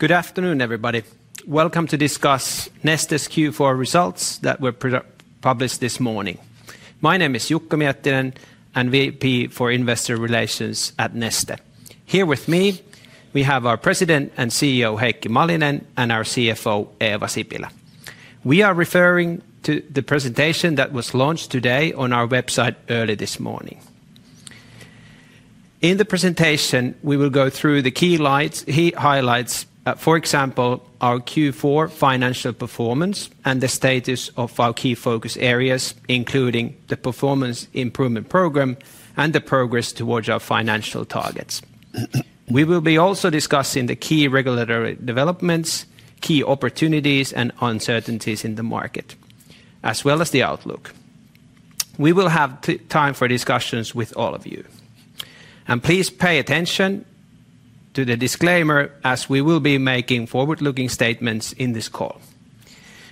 Good afternoon, everybody. Welcome to discuss Neste's Q4 results that were published this morning. My name is Jukka Miettinen, and VP for Investor Relations at Neste. Here with me, we have our President and CEO Heikki Malinen and our CFO Eeva Sipilä. We are referring to the presentation that was launched today on our website early this morning. In the presentation, we will go through the key highlights, for example, our Q4 financial performance and the status of our key focus areas, including the performance improvement program and the progress towards our financial targets. We will be also discussing the key regulatory developments, key opportunities, and uncertainties in the market, as well as the outlook. We will have time for discussions with all of you. Please pay attention to the disclaimer, as we will be making forward-looking statements in this call.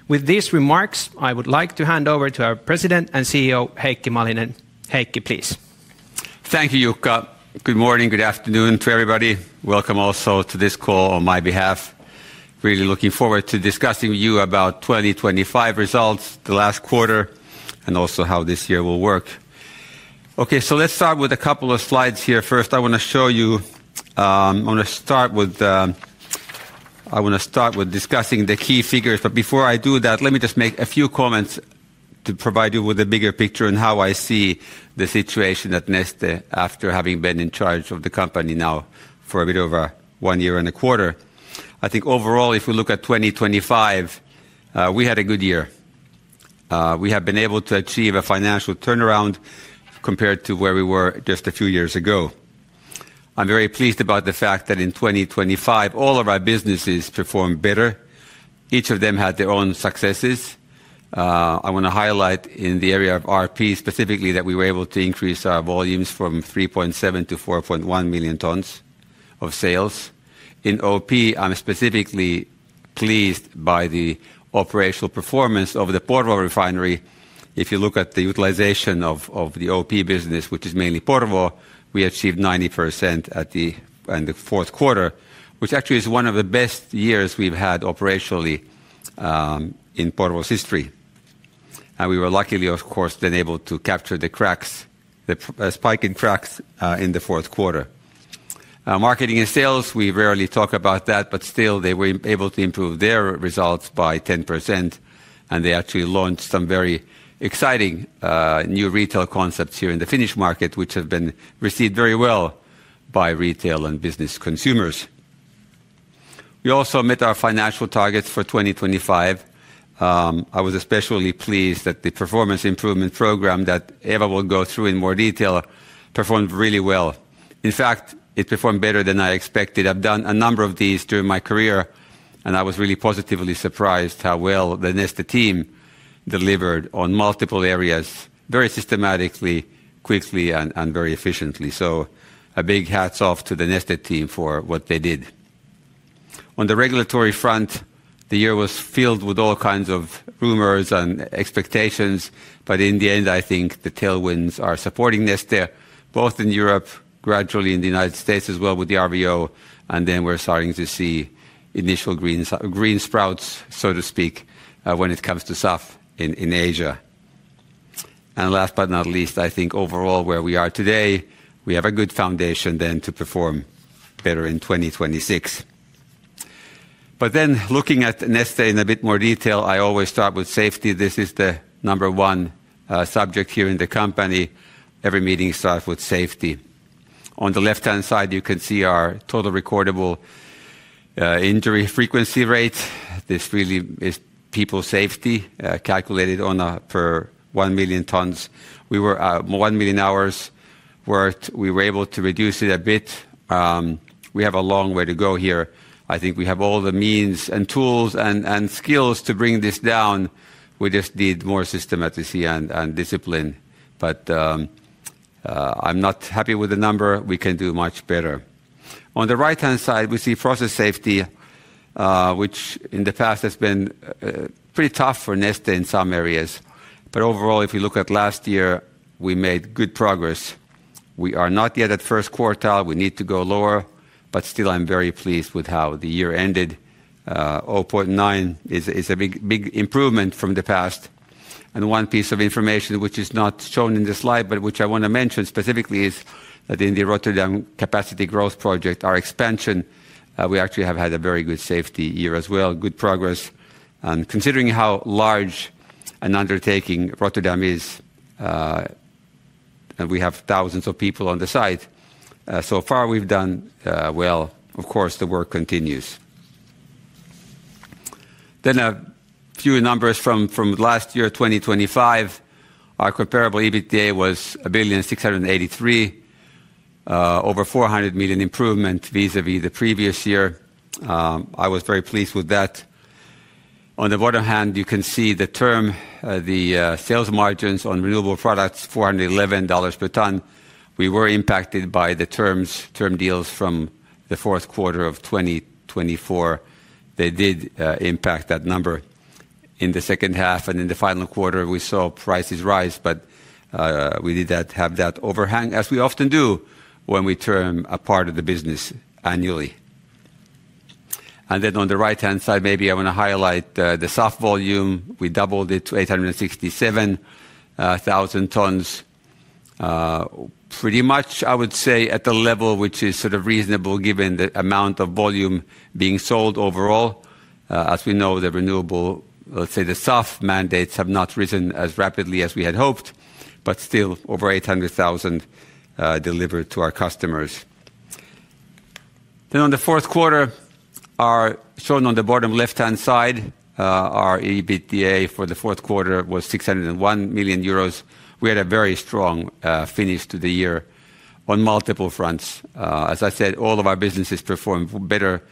With these remarks, I would like to hand over to our President and CEO Heikki Malinen. Heikki, please. Thank you, Jukka. Good morning, good afternoon to everybody. Welcome also to this call on my behalf. Really looking forward to discussing with you about 2025 results, the last quarter, and also how this year will work. Okay, so let's start with a couple of slides here. First, I want to start with discussing the key figures. But before I do that, let me just make a few comments to provide you with a bigger picture on how I see the situation at Neste after having been in charge of the company now for a bit over one year and a quarter. I think overall, if we look at 2025, we had a good year. We have been able to achieve a financial turnaround compared to where we were just a few years ago. I'm very pleased about the fact that in 2025, all of our businesses performed better. Each of them had their own successes. I want to highlight in the area of RP, specifically, that we were able to increase our volumes from 3.7 to 4.1 million tons of sales. In OP, I'm specifically pleased by the operational performance of the Porvoo refinery. If you look at the utilization of the OP business, which is mainly Porvoo, we achieved 90% in the fourth quarter, which actually is one of the best years we've had operationally in Porvoo's history. And we were luckily, of course, then able to capture the spike in cracks in the fourth quarter. Marketing and Services, we rarely talk about that, but still, they were able to improve their results by 10%. They actually launched some very exciting new retail concepts here in the Finnish market, which have been received very well by retail and business consumers. We also met our financial targets for 2025. I was especially pleased that the performance improvement program that Eeva will go through in more detail performed really well. In fact, it performed better than I expected. I've done a number of these during my career, and I was really positively surprised how well the Neste team delivered on multiple areas, very systematically, quickly, and very efficiently. So a big hats off to the Neste team for what they did. On the regulatory front, the year was filled with all kinds of rumors and expectations. But in the end, I think the tailwinds are supporting Neste, both in Europe, gradually in the United States as well with the RVO. Then we're starting to see initial green sprouts, so to speak, when it comes to SAF in Asia. Last but not least, I think overall, where we are today, we have a good foundation then to perform better in 2026. Then looking at Neste in a bit more detail, I always start with safety. This is the number one subject here in the company. Every meeting starts with safety. On the left-hand side, you can see our total recordable injury frequency rate. This really is people's safety calculated on a per 1 million tons. We were 1 million hours worked. We were able to reduce it a bit. We have a long way to go here. I think we have all the means and tools and skills to bring this down. We just need more systematicity and discipline. I'm not happy with the number. We can do much better. On the right-hand side, we see process safety, which in the past has been pretty tough for Neste in some areas. But overall, if we look at last year, we made good progress. We are not yet at first quartile. We need to go lower. But still, I'm very pleased with how the year ended. 0.9 is a big improvement from the past. And one piece of information, which is not shown in this slide, but which I want to mention specifically, is that in the Rotterdam Capacity Growth Project, our expansion, we actually have had a very good safety year as well, good progress. And considering how large an undertaking Rotterdam is, and we have thousands of people on the site, so far we've done well. Of course, the work continues. Then a few numbers from last year, 2025. Our Comparable EBITDA was 1,683,000,000, over 400 million improvement vis-à-vis the previous year. I was very pleased with that. On the other hand, you can see the term, the sales margins on renewable products, $411 per ton. We were impacted by the terms, term deals from the fourth quarter of 2024. They did impact that number. In the second half and in the final quarter, we saw prices rise. But we did have that overhang, as we often do when we term a part of the business annually. And then on the right-hand side, maybe I want to highlight the SAF volume. We doubled it to 867,000 tons, pretty much, I would say, at the level which is sort of reasonable given the amount of volume being sold overall. As we know, the renewable, let's say, the SAF mandates have not risen as rapidly as we had hoped, but still over 800,000 delivered to our customers. Then on the fourth quarter, shown on the bottom left-hand side, our EBITDA for the fourth quarter was 601 million euros. We had a very strong finish to the year on multiple fronts. As I said, all of our businesses performed better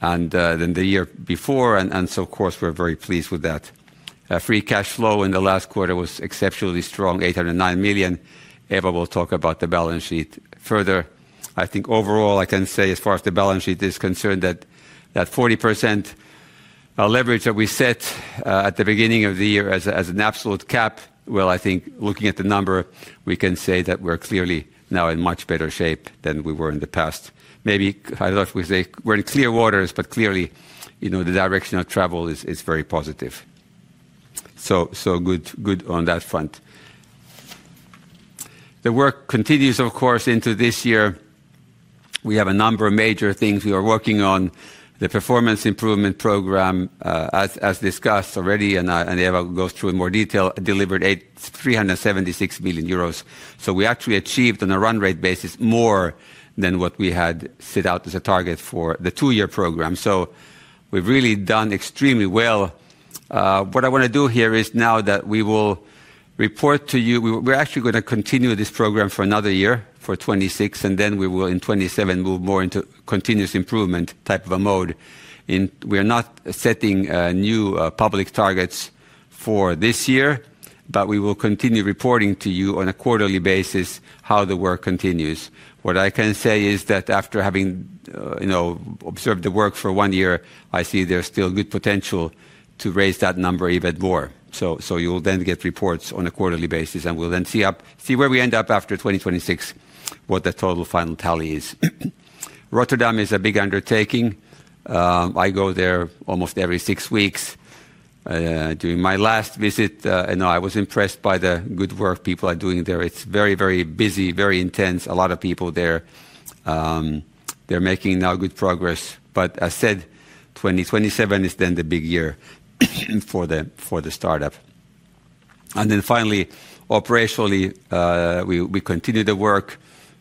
than the year before. And so, of course, we're very pleased with that. Free cash flow in the last quarter was exceptionally strong, 809 million. Eeva will talk about the balance sheet further. I think overall, I can say, as far as the balance sheet is concerned, that 40% leverage that we set at the beginning of the year as an absolute cap. Well, I think looking at the number, we can say that we're clearly now in much better shape than we were in the past. Maybe I thought we were in clear waters, but clearly, the direction of travel is very positive. So good on that front. The work continues, of course, into this year. We have a number of major things we are working on. The performance improvement program, as discussed already, and Eeva will go through in more detail, delivered 376 million euros. So we actually achieved, on a run-rate basis, more than what we had set out as a target for the two-year program. So we've really done extremely well. What I want to do here is, now that we will report to you, we're actually going to continue this program for another year, for 2026. And then we will, in 2027, move more into continuous improvement type of a mode. We are not setting new public targets for this year. But we will continue reporting to you on a quarterly basis how the work continues. What I can say is that after having observed the work for one year, I see there's still good potential to raise that number even more. So you will then get reports on a quarterly basis. And we'll then see where we end up after 2026, what the total final tally is. Rotterdam is a big undertaking. I go there almost every six weeks. During my last visit, I was impressed by the good work people are doing there. It's very, very busy, very intense, a lot of people there. They're making now good progress. But as said, 2027 is then the big year for the startup. And then finally, operationally, we continue the work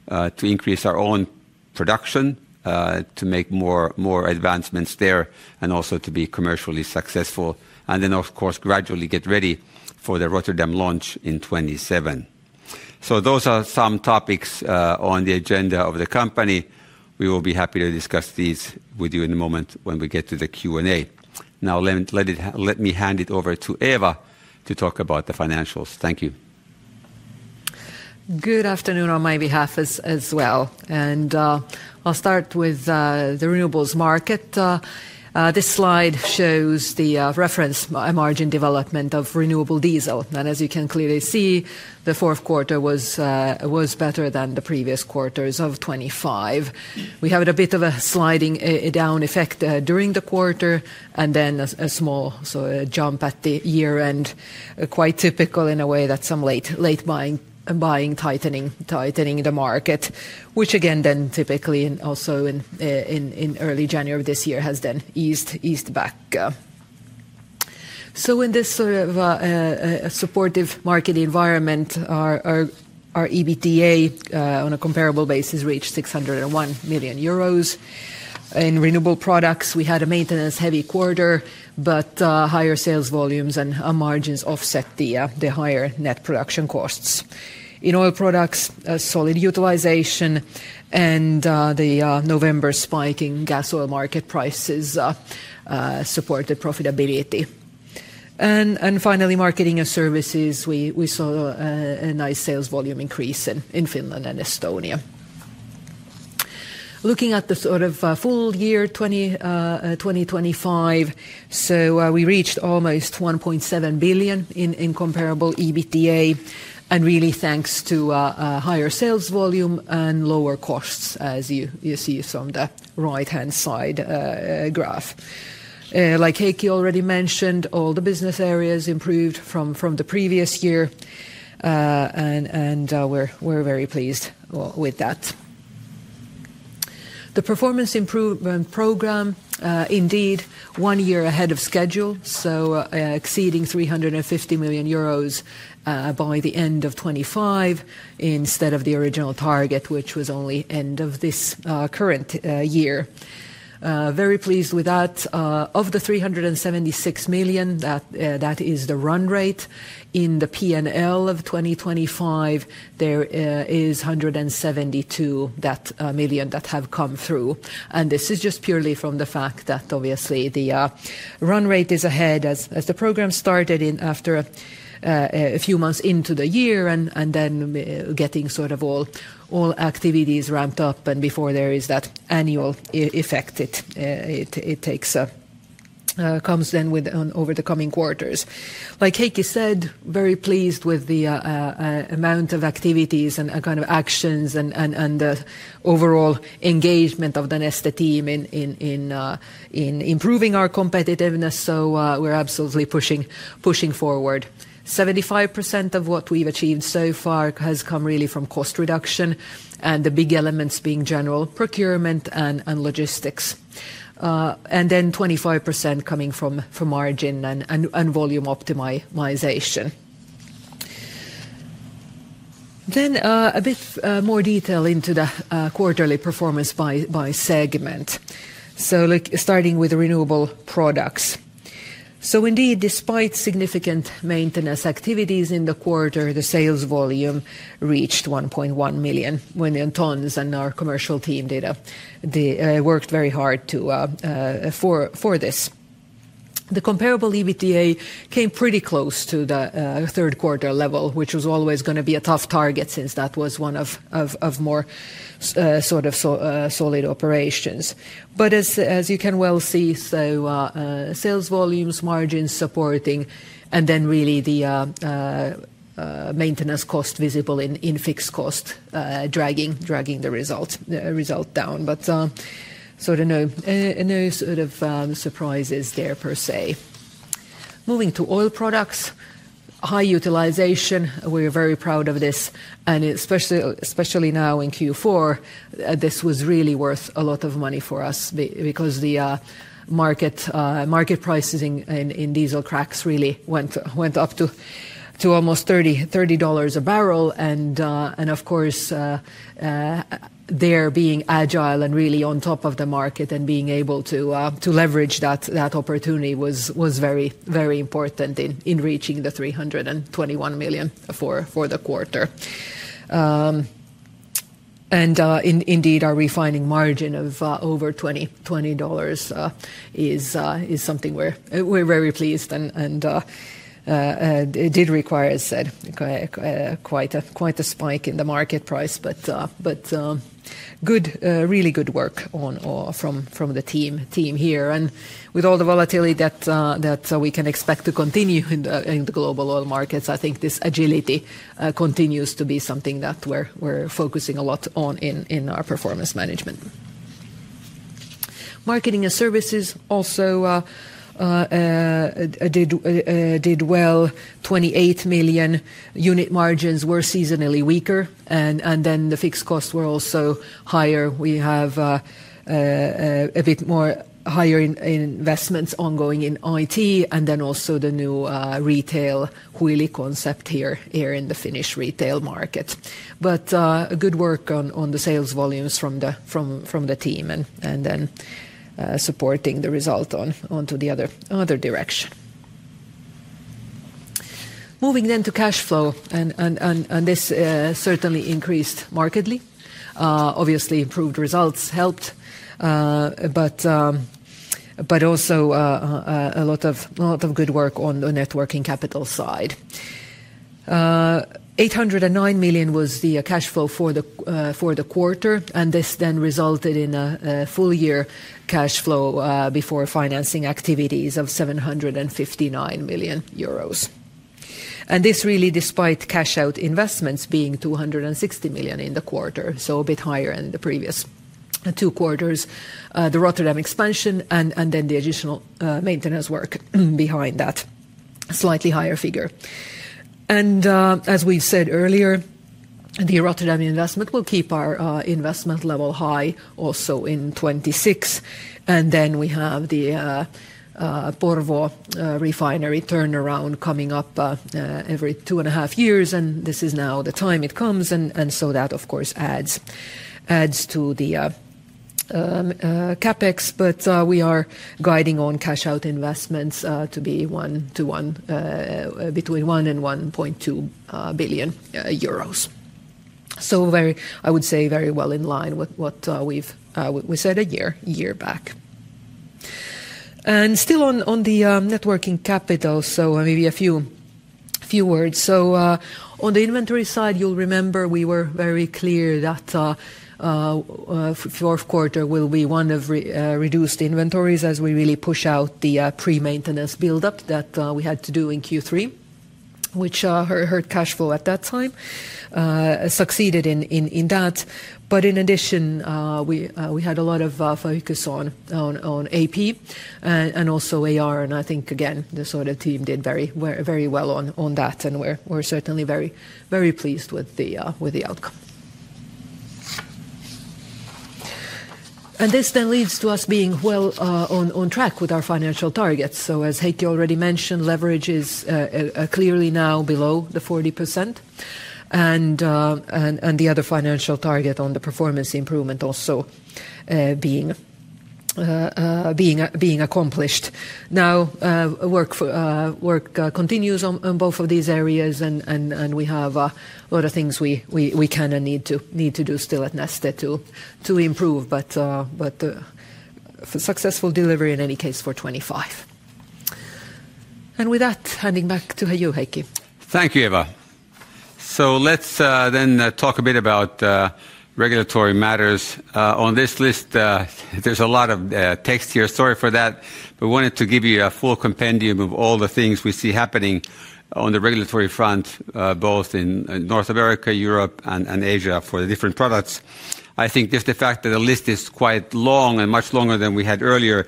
to increase our own production, to make more advancements there, and also to be commercially successful, and then, of course, gradually get ready for the Rotterdam launch in 2027. So those are some topics on the agenda of the company. We will be happy to discuss these with you in a moment when we get to the Q&A. Now, let me hand it over to Eeva to talk about the financials. Thank you. Good afternoon on my behalf as well. I'll start with the renewables market. This slide shows the reference margin development of renewable diesel. As you can clearly see, the fourth quarter was better than the previous quarters of 2025. We have a bit of a sliding down effect during the quarter and then a small jump at the year-end, quite typical in a way that's some late buying, tightening the market, which, again, then typically also in early January of this year has then eased back. In this sort of supportive market environment, our EBITDA, on a comparable basis, reached 601 million euros. In renewable products, we had a maintenance-heavy quarter, but higher sales volumes and margins offset the higher net production costs. In oil products, solid utilization and the November spiking gasoil market prices supported profitability. Finally, marketing and services, we saw a nice sales volume increase in Finland and Estonia. Looking at the sort of full year 2025, so we reached almost 1.7 billion in comparable EBITDA, and really thanks to higher sales volume and lower costs, as you see from the right-hand side graph. Like Heikki already mentioned, all the business areas improved from the previous year. We're very pleased with that. The performance improvement program, indeed, one year ahead of schedule, so exceeding 350 million euros by the end of 2025 instead of the original target, which was only end of this current year. Very pleased with that. Of the 376 million, that is the run rate. In the P&L of 2025, there is 172 million that have come through. This is just purely from the fact that, obviously, the run rate is ahead as the program started after a few months into the year and then getting sort of all activities ramped up. And before there is that annual effect, it comes then over the coming quarters. Like Heikki said, very pleased with the amount of activities and kind of actions and the overall engagement of the Neste team in improving our competitiveness. So we're absolutely pushing forward. 75% of what we've achieved so far has come really from cost reduction and the big elements being general procurement and logistics, and then 25% coming from margin and volume optimization. Then a bit more detail into the quarterly performance by segment, so starting with renewable products. So indeed, despite significant maintenance activities in the quarter, the sales volume reached 1.1 million tons. Our commercial team did work very hard for this. The comparable EBITDA came pretty close to the third quarter level, which was always going to be a tough target since that was one of our more sort of solid operations. As you can well see, so sales volumes, margins supporting, and then really the maintenance cost visible in fixed cost dragging the result down. So there are no sort of surprises there, per se. Moving to oil products. High utilization. We're very proud of this. Especially now in Q4, this was really worth a lot of money for us because the market prices in diesel cracks really went up to almost $30 a barrel. Of course, us being agile and really on top of the market and being able to leverage that opportunity was very, very important in reaching the 321 million for the quarter. Indeed, our refining margin of over $20 is something we're very pleased and did require, as said, quite a spike in the market price. But good, really good work from the team here. With all the volatility that we can expect to continue in the global oil markets, I think this agility continues to be something that we're focusing a lot on in our performance management. Marketing and Services also did well. 28 million unit margins were seasonally weaker. Then the fixed costs were also higher. We have a bit more higher investments ongoing in IT and then also the new retail Huili concept here in the Finnish retail market. Good work on the sales volumes from the team and then supporting the result onto the other direction. Moving then to cash flow. This certainly increased markedly. Obviously, improved results helped. But also a lot of good work on the net working capital side. 809 million was the cash flow for the quarter. And this then resulted in a full-year cash flow before financing activities of 759 million euros. And this really despite cash-out investments being 260 million in the quarter, so a bit higher than the previous two quarters, the Rotterdam expansion and then the additional maintenance work behind that slightly higher figure. And as we've said earlier, the Rotterdam investment will keep our investment level high also in 2026. And then we have the Porvoo refinery turnaround coming up every two and a half years. And this is now the time it comes. And so that, of course, adds to the CapEx. But we are guiding on cash-out investments to be between 1 billion and 1.2 billion euros. So I would say very well in line with what we said a year back. Still on the net working capital, so maybe a few words. So on the inventory side, you'll remember we were very clear that fourth quarter will be one of reduced inventories as we really push out the pre-maintenance buildup that we had to do in Q3, which hurt cash flow at that time, succeeded in that. But in addition, we had a lot of focus on AP and also AR. And I think, again, the sort of team did very well on that. And we're certainly very pleased with the outcome. And this then leads to us being well on track with our financial targets. So as Heikki already mentioned, leverage is clearly now below the 40% and the other financial target on the performance improvement also being accomplished. Now, work continues on both of these areas. We have a lot of things we can and need to do still at Neste to improve, but successful delivery in any case for 2025. With that, handing back to you, Heikki. Thank you, Eeva. So let's then talk a bit about regulatory matters. On this list, there's a lot of text here. Sorry for that. But I wanted to give you a full compendium of all the things we see happening on the regulatory front, both in North America, Europe, and Asia for the different products. I think just the fact that the list is quite long and much longer than we had earlier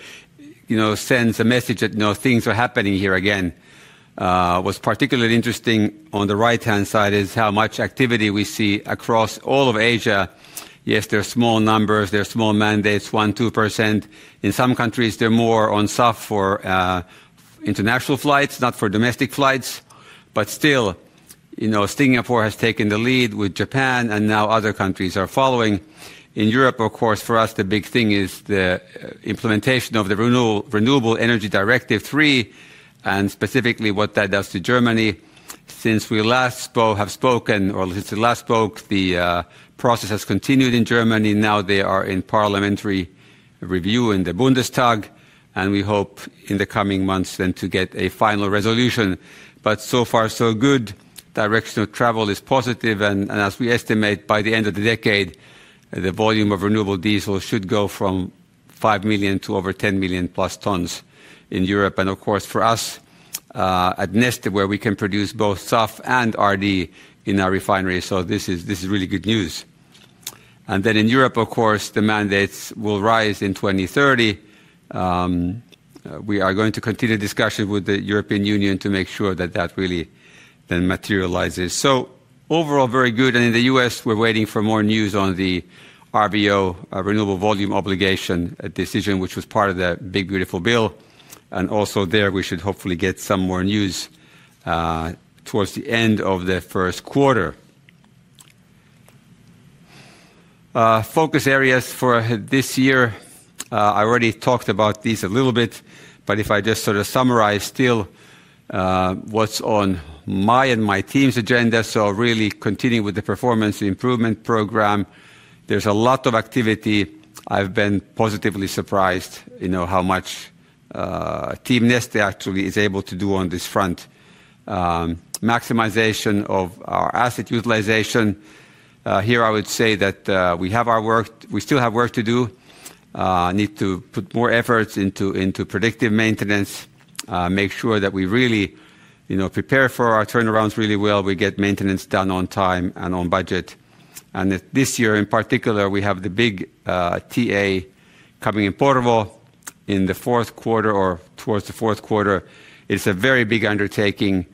sends a message that things are happening here again. What's particularly interesting on the right-hand side is how much activity we see across all of Asia. Yes, there are small numbers. There are small mandates, 1%, 2%. In some countries, they're more on SAF for international flights, not for domestic flights. But still, Singapore has taken the lead with Japan. And now other countries are following. In Europe, of course, for us, the big thing is the implementation of the Renewable Energy Directive III and specifically what that does to Germany. Since we last have spoken or since I last spoke, the process has continued in Germany. Now they are in parliamentary review in the Bundestag. We hope in the coming months then to get a final resolution. But so far, so good. Direction of travel is positive. As we estimate, by the end of the decade, the volume of renewable diesel should go from 5 million to over 10 million+ tons in Europe. Of course, for us at Neste, where we can produce both SAF and RD in our refinery, so this is really good news. Then in Europe, of course, the mandates will rise in 2030. We are going to continue discussion with the European Union to make sure that that really then materializes. So overall, very good. And in the U.S., we're waiting for more news on the RVO, Renewable Volume Obligation, decision, which was part of the big, beautiful bill. And also there, we should hopefully get some more news towards the end of the first quarter. Focus areas for this year, I already talked about these a little bit. But if I just sort of summarize still what's on my and my team's agenda, so really continuing with the performance improvement program, there's a lot of activity. I've been positively surprised how much Team Neste actually is able to do on this front, maximization of our asset utilization. Here, I would say that we have our work; we still have work to do, need to put more efforts into predictive maintenance, make sure that we really prepare for our turnarounds really well, we get maintenance done on time and on budget. This year in particular, we have the big TA coming in Porvoo in the fourth quarter or towards the fourth quarter. It's a very big undertaking.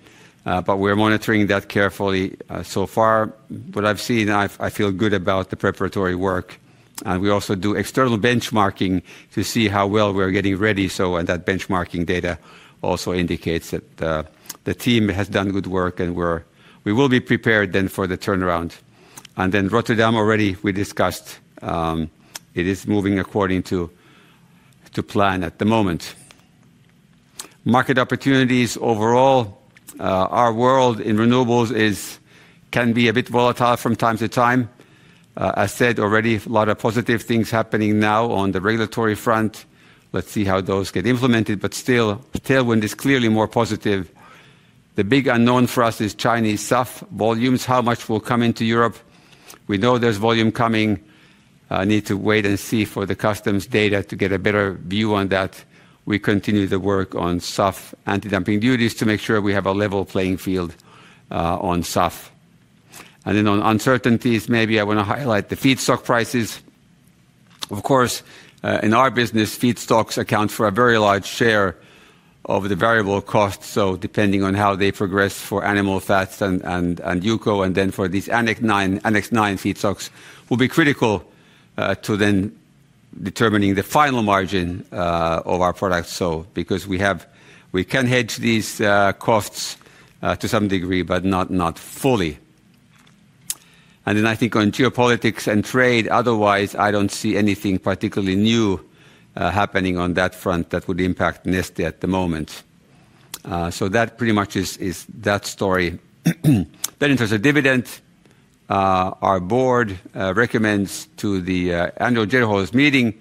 But we're monitoring that carefully so far. What I've seen, I feel good about the preparatory work. We also do external benchmarking to see how well we're getting ready. That benchmarking data also indicates that the team has done good work. We will be prepared then for the turnaround. Then Rotterdam already, we discussed, it is moving according to plan at the moment. Market opportunities overall, our world in renewables can be a bit volatile from time to time. As said already, a lot of positive things happening now on the regulatory front. Let's see how those get implemented. But still, tailwind is clearly more positive. The big unknown for us is Chinese SAF volumes, how much will come into Europe. We know there's volume coming. Need to wait and see for the customs data to get a better view on that. We continue the work on SAF, anti-dumping duties to make sure we have a level playing field on SAF. And then on uncertainties, maybe I want to highlight the feedstock prices. Of course, in our business, feedstocks account for a very large share of the variable cost. So depending on how they progress for animal fats and UCO. And then for these Annex IX feedstocks, will be critical to then determining the final margin of our products. So because we can hedge these costs to some degree, but not fully. And then I think on geopolitics and trade, otherwise, I don't see anything particularly new happening on that front that would impact Neste at the moment. So that pretty much is that story. Then in terms of dividend, our board recommends to the annual general meeting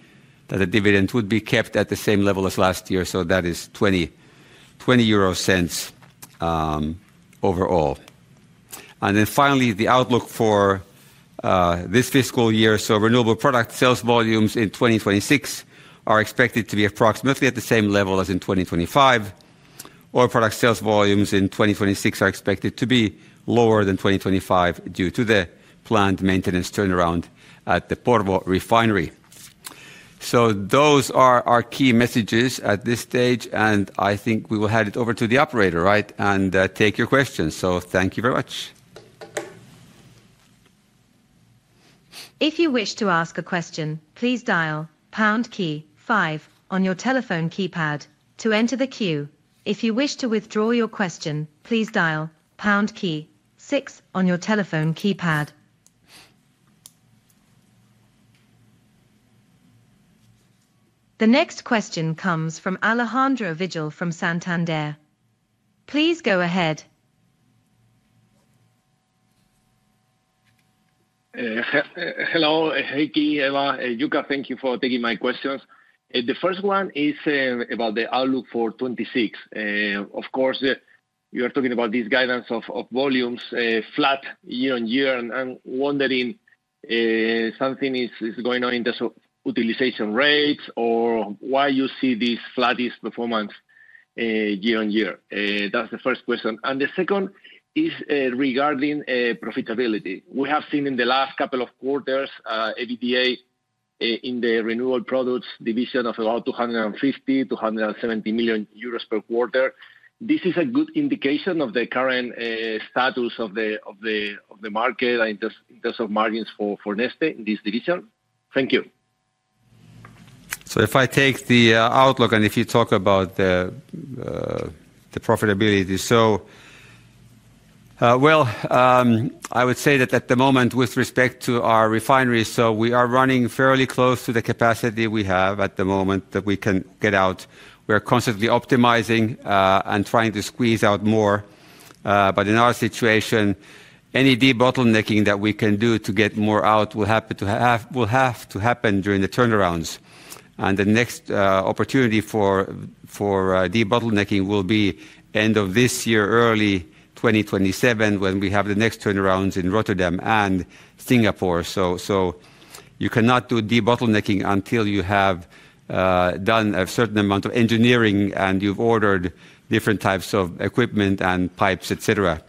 that the dividend would be kept at the same level as last year. So that is 0.20 overall. And then finally, the outlook for this fiscal year. So renewable product sales volumes in 2026 are expected to be approximately at the same level as in 2025. Oil product sales volumes in 2026 are expected to be lower than 2025 due to the planned maintenance turnaround at the Porvoo refinery. Those are our key messages at this stage. I think we will hand it over to the operator and take your questions. Thank you very much. If you wish to ask a question, please dial pound key five on your telephone keypad to enter the queue. If you wish to withdraw your question, please dial pound key six on your telephone keypad. The next question comes from Alejandro Vigil from Santander. Please go ahead. Hello, Heikki, Eeva, Jukka. Thank you for taking my questions. The first one is about the outlook for 2026. Of course, you are talking about this guidance of volumes flat year on year. And I'm wondering if something is going on in the utilization rates or why you see this flat performance year on year. That's the first question. And the second is regarding profitability. We have seen in the last couple of quarters EBITDA in the renewable products division of about 250 million-270 million euros per quarter. This is a good indication of the current status of the market in terms of margins for Neste in this division. Thank you. So if I take the outlook and if you talk about the profitability, so well, I would say that at the moment, with respect to our refinery, so we are running fairly close to the capacity we have at the moment that we can get out. We are constantly optimizing and trying to squeeze out more. But in our situation, any debottlenecking that we can do to get more out will have to happen during the turnarounds. And the next opportunity for debottlenecking will be end of this year, early 2027, when we have the next turnarounds in Rotterdam and Singapore. So you cannot do debottlenecking until you have done a certain amount of engineering and you've ordered different types of equipment and pipes, et cetera.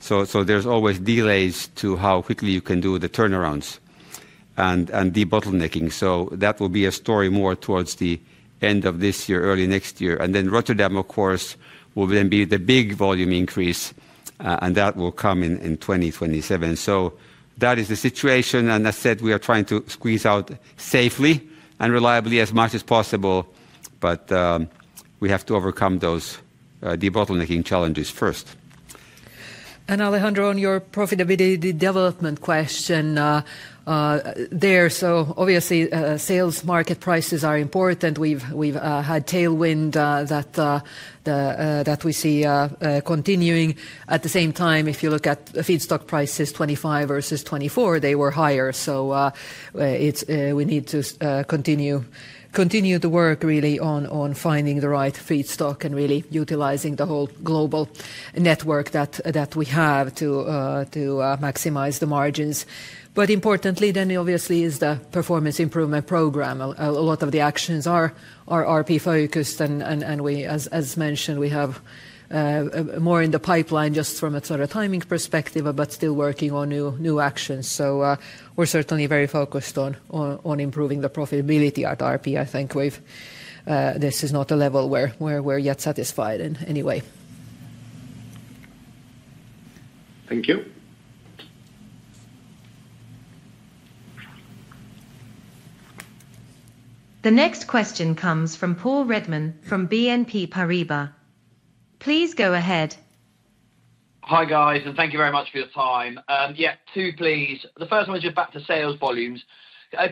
So there's always delays to how quickly you can do the turnarounds and debottlenecking. So that will be a story more towards the end of this year, early next year. And then Rotterdam, of course, will then be the big volume increase. And that will come in 2027. So that is the situation. And as said, we are trying to squeeze out safely and reliably as much as possible. But we have to overcome those debottlenecking challenges first. Alejandro, on your profitability development question there, so obviously, sales market prices are important. We've had tailwind that we see continuing. At the same time, if you look at feedstock prices, 2025 versus 2024, they were higher. So we need to continue the work, really, on finding the right feedstock and really utilizing the whole global network that we have to maximize the margins. But importantly then, obviously, is the Performance Improvement Program. A lot of the actions are RP-focused. And as mentioned, we have more in the pipeline just from a sort of timing perspective, but still working on new actions. So we're certainly very focused on improving the profitability at RP. I think this is not a level where we're yet satisfied in any way. Thank you. The next question comes from Paul Redman from BNP Paribas. Please go ahead. Hi, guys. Thank you very much for your time. Yeah, two, please. The first one is just back to sales volumes.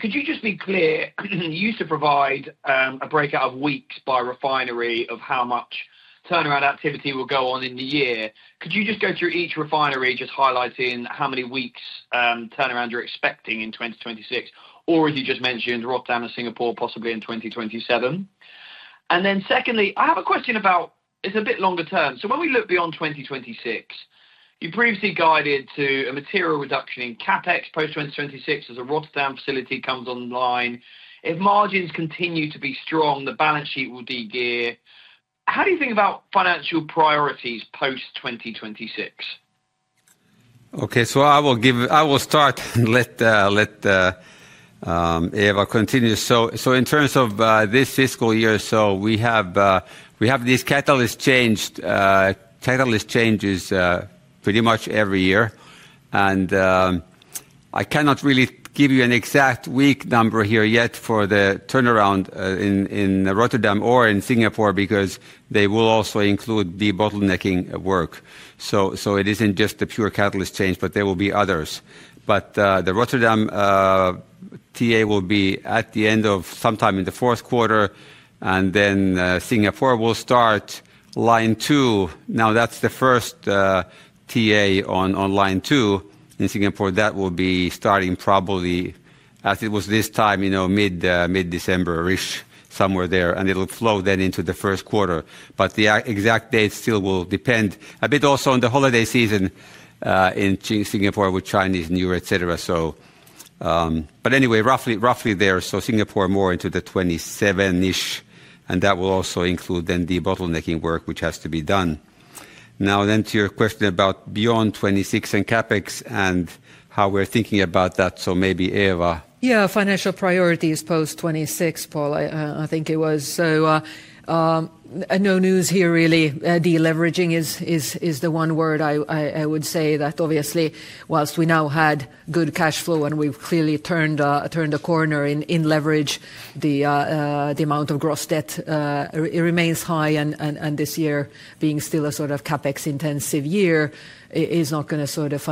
Could you just be clear? You used to provide a breakout of weeks by refinery of how much turnaround activity will go on in the year. Could you just go through each refinery, just highlighting how many weeks turnaround you're expecting in 2026? Or as you just mentioned, Rotterdam and Singapore, possibly in 2027. Then secondly, I have a question about it's a bit longer term. So when we look beyond 2026, you previously guided to a material reduction in CapEx post-2026 as a Rotterdam facility comes online. If margins continue to be strong, the balance sheet will degear. How do you think about financial priorities post-2026? OK, so I will start and let Eeva continue. So in terms of this fiscal year or so, we have these catalyst changes pretty much every year. And I cannot really give you an exact week number here yet for the turnaround in Rotterdam or in Singapore because they will also include debottlenecking work. So it isn't just the pure catalyst change, but there will be others. But the Rotterdam TA will be at the end of sometime in the fourth quarter. And then Singapore will start line two. Now, that's the first TA on line two. In Singapore, that will be starting probably as it was this time, mid-December-ish, somewhere there. And it will flow then into the first quarter. But the exact dates still will depend a bit also on the holiday season in Singapore with Chinese New Year, et cetera. But anyway, roughly there. So Singapore more into the 2027-ish. And that will also include then debottlenecking work, which has to be done. Now, then to your question about beyond 2026 and CapEx and how we're thinking about that. So maybe Eeva. Yeah, financial priorities post-2026, Paul, I think it was. So no news here, really. De-leveraging is the one word I would say that obviously, while we now had good cash flow and we've clearly turned a corner in leverage, the amount of gross debt remains high. And this year, being still a sort of CapEx-intensive year, is not going to sort of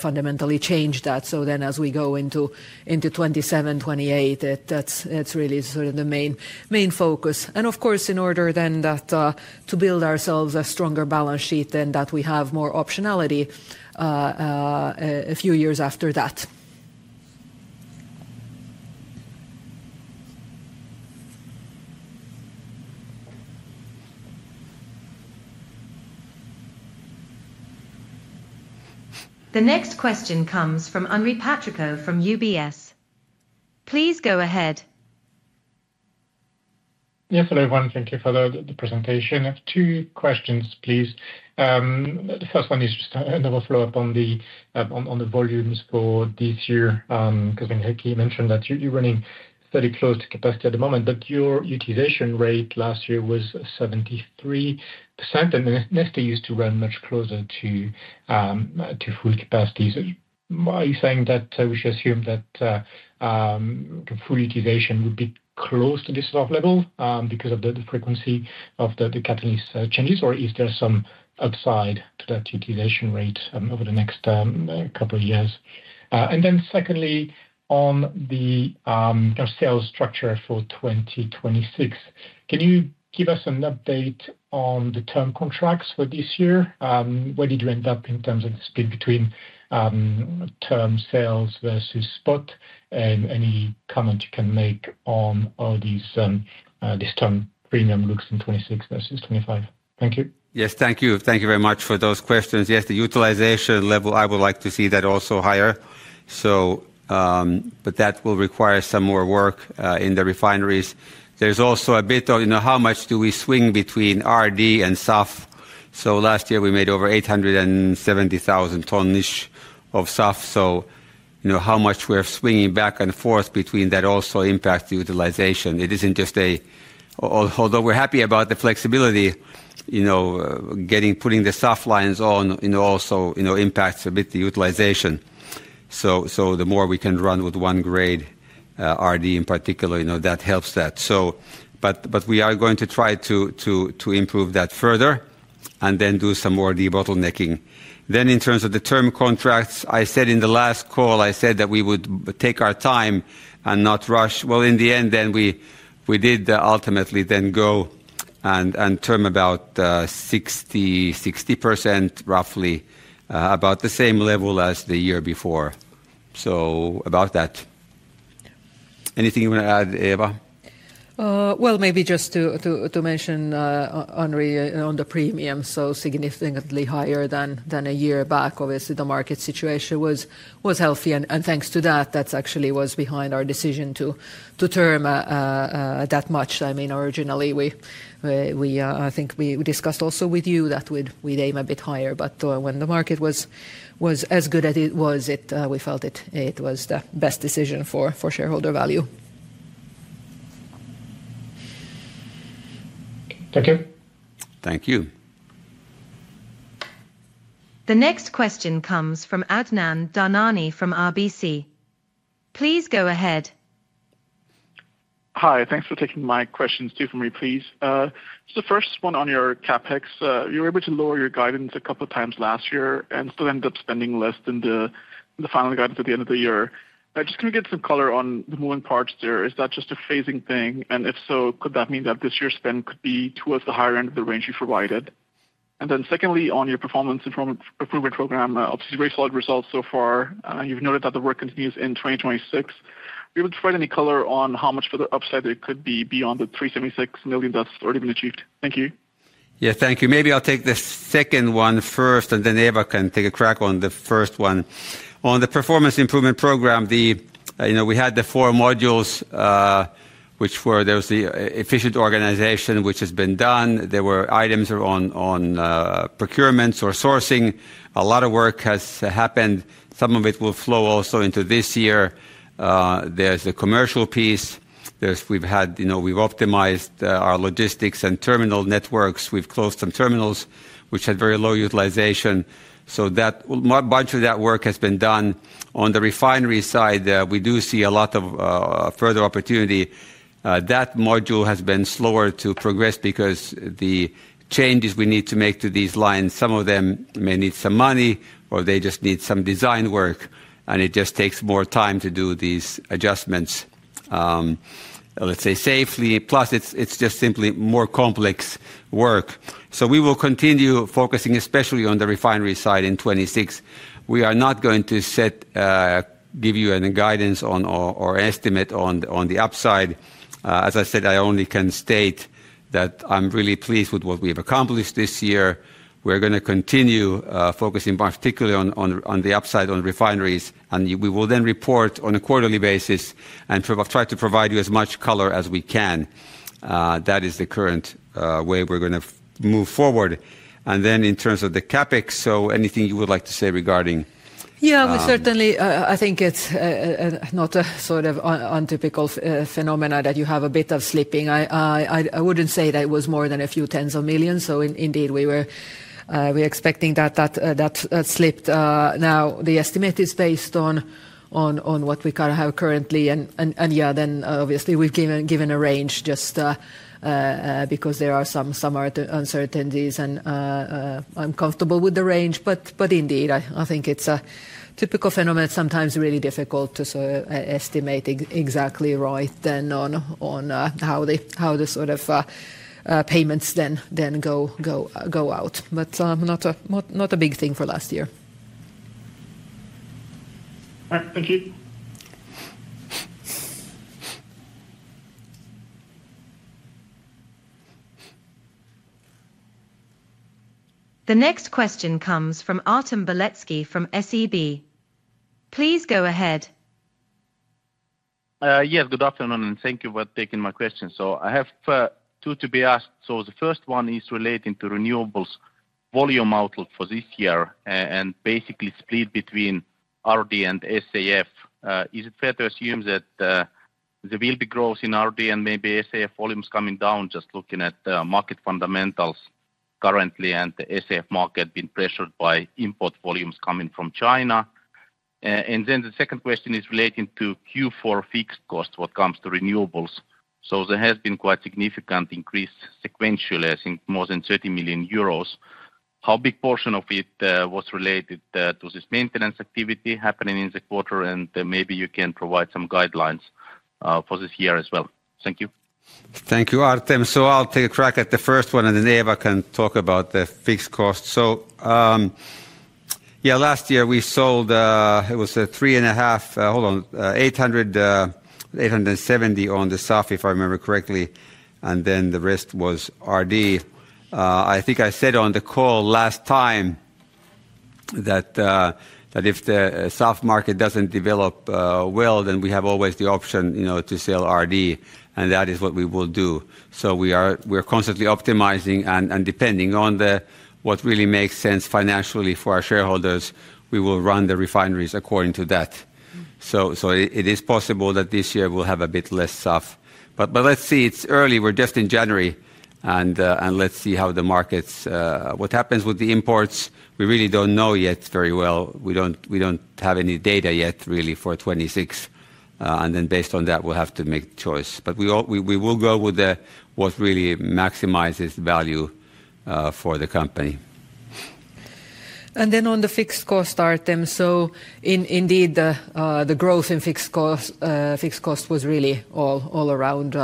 fundamentally change that. So then as we go into 2027, 2028, that's really sort of the main focus. And of course, in order then to build ourselves a stronger balance sheet and that we have more optionality a few years after that. The next question comes from Henri Patricot from UBS. Please go ahead. Yes, hello, everyone. Thank you for the presentation. I have two questions, please. The first one is just a follow-up on the volumes for this year. Because I think Heikki mentioned that you're running fairly close to capacity at the moment. But your utilization rate last year was 73%. And Neste used to run much closer to full capacity. Are you saying that we should assume that full utilization would be close to this sort of level because of the frequency of the catalyst changes? Or is there some upside to that utilization rate over the next couple of years? And then secondly, on the sales structure for 2026, can you give us an update on the term contracts for this year? Where did you end up in terms of the split between term sales versus spot? Any comment you can make on how this term premium looks in 2026 versus 2025? Thank you. Yes, thank you. Thank you very much for those questions. Yes, the utilization level, I would like to see that also higher. But that will require some more work in the refineries. There's also a bit of how much do we swing between RD and SAF. So last year, we made over 870,000 tons-ish of SAF. So how much we're swinging back and forth between that also impacts the utilization. It isn't just a although we're happy about the flexibility, putting the SAF lines on also impacts a bit the utilization. So the more we can run with one grade RD in particular, that helps that. But we are going to try to improve that further and then do some more debottlenecking. Then in terms of the term contracts, I said in the last call, I said that we would take our time and not rush. Well, in the end, then we did ultimately then go and term about 60%, roughly about the same level as the year before. So about that. Anything you want to add, Eeva? Well, maybe just to mention, Henri, on the premium, so significantly higher than a year back. Obviously, the market situation was healthy. And thanks to that, that actually was behind our decision to term that much. I mean, originally, I think we discussed also with you that we'd aim a bit higher. But when the market was as good as it was, we felt it was the best decision for shareholder value. Thank you. Thank you. The next question comes from Adnan Dhanani from RBC. Please go ahead. Hi, thanks for taking my questions too, Henri, please. The first one on your CapEx, you were able to lower your guidance a couple of times last year and still ended up spending less than the final guidance at the end of the year. Just can we get some color on the moving parts there? Is that just a phasing thing? And if so, could that mean that this year's spend could be towards the higher end of the range you provided? Then secondly, on your performance improvement program, obviously, very solid results so far. And you've noted that the work continues in 2026. Are you able to provide any color on how much further upside there could be beyond the 376 million that's already been achieved? Thank you. Yeah, thank you. Maybe I'll take the second one first. And then Eeva can take a crack on the first one. On the performance improvement program, we had the four modules, which were there was the efficient organization, which has been done. There were items on procurements or sourcing. A lot of work has happened. Some of it will flow also into this year. There's the commercial piece. We've optimized our logistics and terminal networks. We've closed some terminals, which had very low utilization. So much of that work has been done. On the refinery side, we do see a lot of further opportunity. That module has been slower to progress because the changes we need to make to these lines, some of them may need some money or they just need some design work. And it just takes more time to do these adjustments, let's say, safely. Plus, it's just simply more complex work. We will continue focusing, especially on the refinery side, in 2026. We are not going to give you any guidance or estimate on the upside. As I said, I only can state that I'm really pleased with what we have accomplished this year. We're going to continue focusing, particularly, on the upside on refineries. We will then report on a quarterly basis and try to provide you as much color as we can. That is the current way we're going to move forward. Then, in terms of the CapEx, so anything you would like to say regarding? Yeah, we certainly—I think—it's not a sort of untypical phenomenon that you have a bit of slipping. I wouldn't say that it was more than a few tens of millions EUR. So indeed, we were expecting that that slipped. Now, the estimate is based on what we have currently. And yeah, then obviously, we've given a range just because there are some uncertainties. And I'm comfortable with the range. But indeed, I think it's a typical phenomenon. Sometimes really difficult to estimate exactly right then on how the sort of payments then go out. But not a big thing for last year. All right, thank you. The next question comes from Artem Beletski from SEB. Please go ahead. Yes, good afternoon. And thank you for taking my question. So I have two to be asked. So the first one is relating to renewables volume outlook for this year and basically split between RD and SAF. Is it fair to assume that there will be growth in RD and maybe SAF volumes coming down just looking at market fundamentals currently and the SAF market being pressured by import volumes coming from China? And then the second question is relating to Q4 fixed costs when it comes to renewables. So there has been quite significant increase sequentially, I think, more than 30 million euros. How big a portion of it was related to this maintenance activity happening in the quarter? And maybe you can provide some guidelines for this year as well. Thank you. Thank you, Artem. So I'll take a crack at the first one. And then Eeva can talk about the fixed costs. So yeah, last year, we sold it was 3.5, hold on, 870 on the SAF, if I remember correctly. And then the rest was RD. I think I said on the call last time that if the SAF market doesn't develop well, then we have always the option to sell RD. And that is what we will do. So we're constantly optimizing. And depending on what really makes sense financially for our shareholders, we will run the refineries according to that. So it is possible that this year, we'll have a bit less SAF. But let's see. It's early. We're just in January. And let's see how the markets—what happens with the imports—we really don't know yet very well. We don't have any data yet, really, for 2026. Then based on that, we'll have to make a choice. We will go with what really maximizes value for the company. Then on the fixed cost, Artem, so indeed, the growth in fixed costs was really all around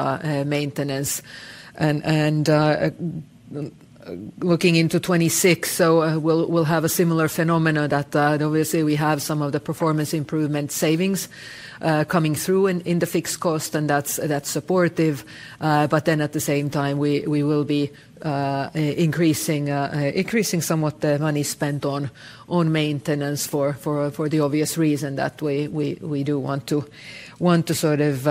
maintenance. And looking into 2026, so we'll have a similar phenomenon. That obviously, we have some of the performance improvement savings coming through in the fixed costs. And that's supportive. But then at the same time, we will be increasing somewhat the money spent on maintenance for the obvious reason that we do want to sort of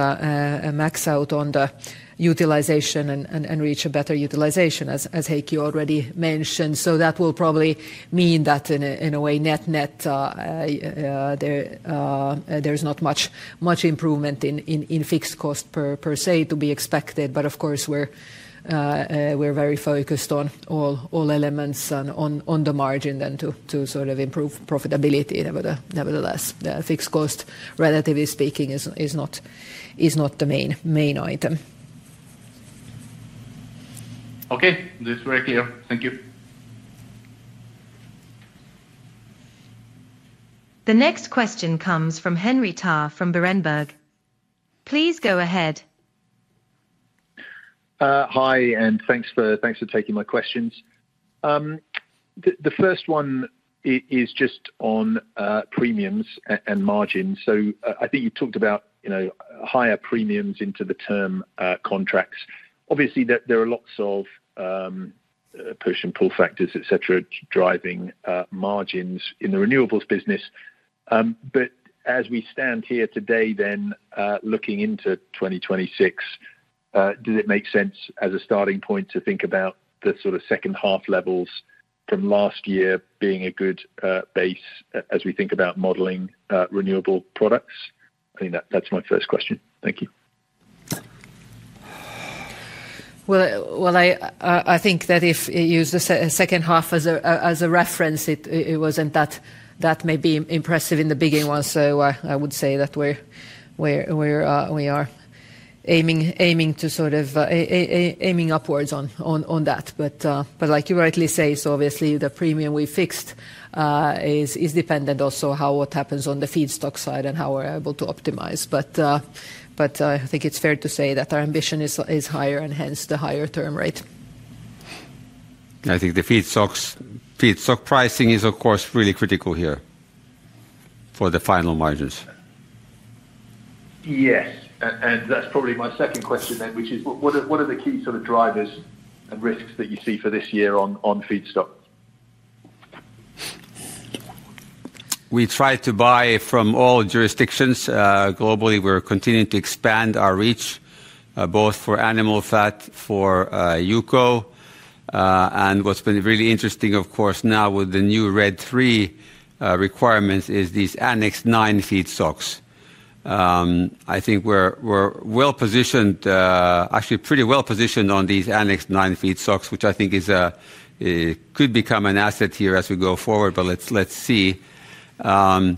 max out on the utilization and reach a better utilization, as Heikki already mentioned. So that will probably mean that in a way, net-net, there's not much improvement in fixed costs, per se, to be expected. But of course, we're very focused on all elements and on the margin then to sort of improve profitability. Nevertheless, fixed costs, relatively speaking, is not the main item. OK, that's very clear. Thank you. The next question comes from Henry Tarr from Berenberg. Please go ahead. Hi, and thanks for taking my questions. The first one is just on premiums and margins. So I think you talked about higher premiums into the term contracts. Obviously, there are lots of push and pull factors, et cetera, driving margins in the renewables business. But as we stand here today, then looking into 2026, does it make sense as a starting point to think about the sort of second-half levels from last year being a good base as we think about modeling renewable products? I think that's my first question. Thank you. Well, I think that if you use the second half as a reference, it wasn't that maybe impressive in the beginning. So I would say that we're aiming to sort of aiming upwards on that. But like you rightly say, so obviously, the premium we fixed is dependent also on what happens on the feedstock side and how we're able to optimize. But I think it's fair to say that our ambition is higher and hence the higher term rate. I think the feedstock pricing is, of course, really critical here for the final margins. Yes. That's probably my second question then, which is, what are the key sort of drivers and risks that you see for this year on feedstock? We try to buy from all jurisdictions. Globally, we're continuing to expand our reach both for animal fat, for UCO. And what's been really interesting, of course, now with the new RED III requirements is these Annex IX feedstocks. I think we're well positioned, actually pretty well positioned on these Annex IX feedstocks, which I think could become an asset here as we go forward. But let's see. And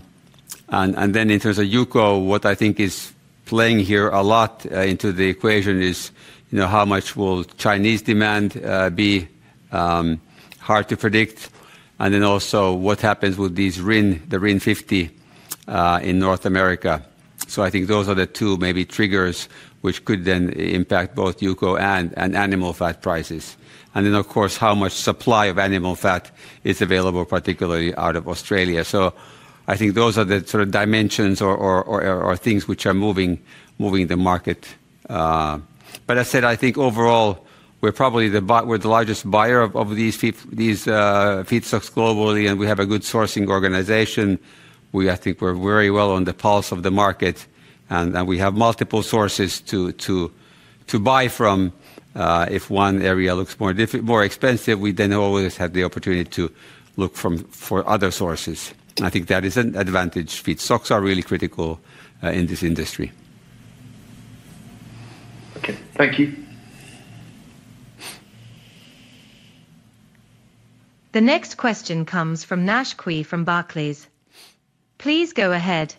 then in terms of UCO, what I think is playing here a lot into the equation is how much will Chinese demand be? Hard to predict. And then also, what happens with the RIN D5 in North America? So I think those are the two maybe triggers which could then impact both UCO and animal fat prices. And then, of course, how much supply of animal fat is available, particularly out of Australia? So I think those are the sort of dimensions or things which are moving the market. But as I said, I think overall, we're probably the largest buyer of these feedstocks globally. And we have a good sourcing organization. I think we're very well on the pulse of the market. And we have multiple sources to buy from. If one area looks more expensive, we then always have the opportunity to look for other sources. I think that is an advantage. Feedstocks are really critical in this industry. OK, thank you. The next question comes from Naisheng Cui from Barclays. Please go ahead.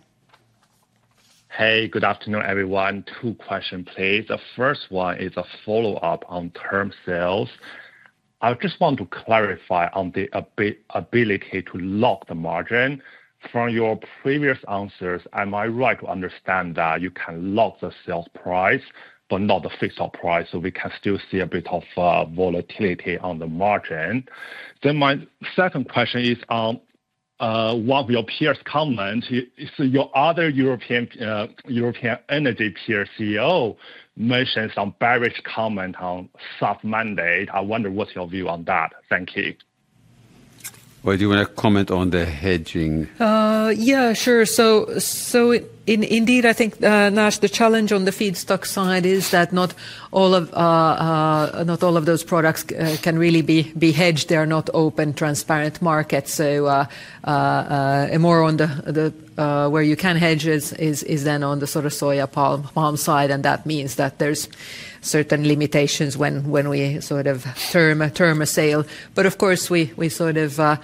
Hey, good afternoon, everyone. Two questions, please. The first one is a follow-up on term sales. I just want to clarify on the ability to lock the margin. From your previous answers, am I right to understand that you can lock the sales price but not the feedstock price? So we can still see a bit of volatility on the margin? My second question is on one of your peers' comments. Your other European energy peer CEO mentioned some bearish comments on SAF mandate. I wonder what's your view on that. Thank you. Well, do you want to comment on the hedging? Yeah, sure. So indeed, I think, Nash, the challenge on the feedstock side is that not all of those products can really be hedged. They are not open, transparent markets. So more on where you can hedge is then on the sort of soya palm side. And that means that there's certain limitations when we sort of term a sale. But of course, we sort of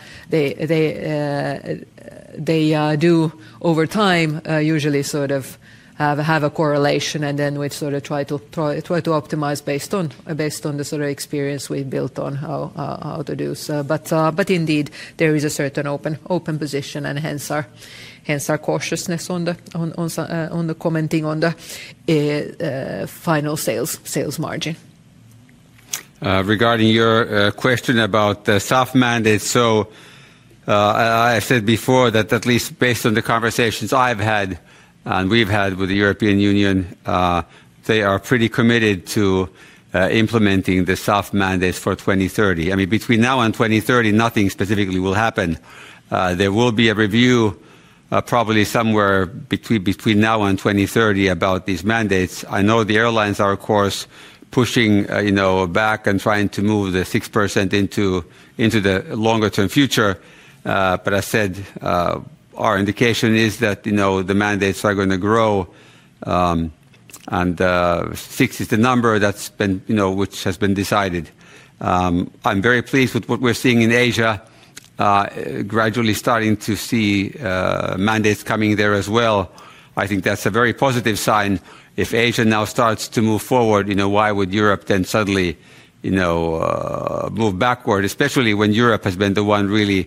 they do over time, usually sort of have a correlation. And then we sort of try to optimize based on the sort of experience we've built on how to do so. But indeed, there is a certain open position and hence our cautiousness on the commenting on the final sales margin. Regarding your question about the SAF mandate, so I said before that at least based on the conversations I've had and we've had with the European Union, they are pretty committed to implementing the SAF mandate for 2030. I mean, between now and 2030, nothing specifically will happen. There will be a review probably somewhere between now and 2030 about these mandates. I know the airlines are, of course, pushing back and trying to move the 6% into the longer-term future. As I said, our indication is that the mandates are going to grow. 6% is the number which has been decided. I'm very pleased with what we're seeing in Asia, gradually starting to see mandates coming there as well. I think that's a very positive sign. If Asia now starts to move forward, why would Europe then suddenly move backward, especially when Europe has been the one really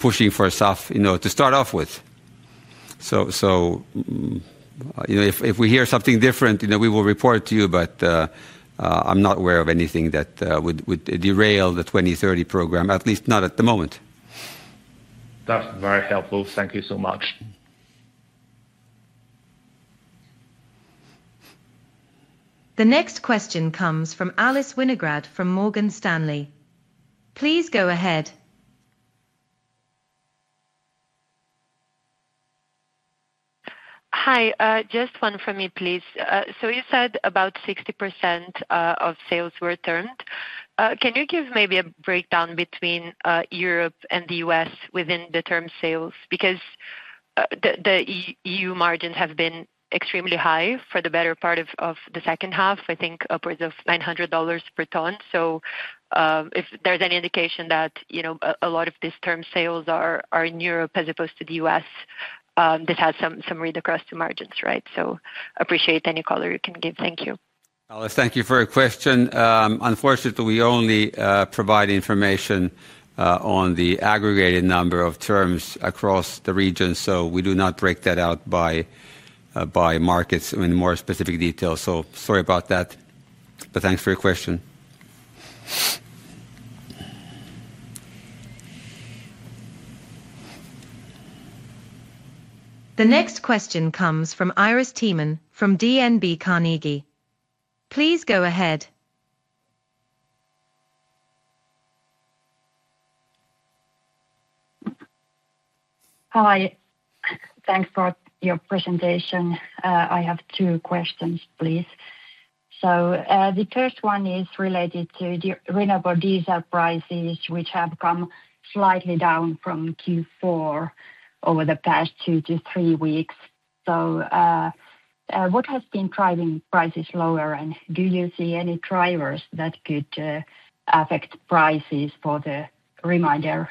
pushing for SAF to start off with? So if we hear something different, we will report to you. But I'm not aware of anything that would derail the 2030 program, at least not at the moment. That's very helpful. Thank you so much. The next question comes from Alice Winograd from Morgan Stanley. Please go ahead. Hi, just one from me, please. You said about 60% of sales were termed. Can you give maybe a breakdown between Europe and the U.S. within the term sales? Because the EU margins have been extremely high for the better part of the second half, I think upwards of $900 per ton. If there's any indication that a lot of these term sales are in Europe as opposed to the U.S., this has some read across to margins, right? Appreciate any color you can give. Thank you. Alice, thank you for your question. Unfortunately, we only provide information on the aggregated number of terms across the region. So we do not break that out by markets in more specific detail. So sorry about that. But thanks for your question. The next question comes from Iiris Theman from Carnegie. Please go ahead. Hi. Thanks for your presentation. I have two questions, please. So the first one is related to renewable diesel prices, which have come slightly down from Q4 over the past 2-3 weeks. So what has been driving prices lower? And do you see any drivers that could affect prices for the remainder